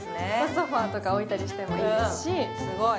ソファーとか置いたりしてもいいですし。